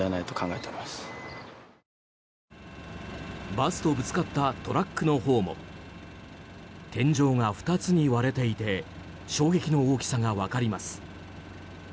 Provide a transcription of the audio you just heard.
バスとぶつかったトラックのほうも天井が２つに割れていて衝撃の大きさがわかります。